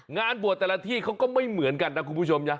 งานบวชแต่ละที่เขาก็ไม่เหมือนกันนะคุณผู้ชมนะ